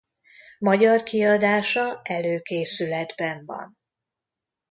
Magyar kiadása előkészületben van.